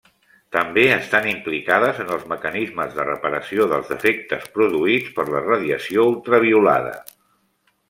També estan implicades en els mecanismes de reparació dels defectes produïts per la radiació ultraviolada.